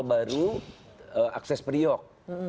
baru akses periok